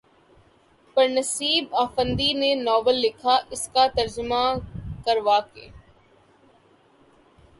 پر نسیب آفندی نے ناول لکھا، اس کا ترجمہ کروا کے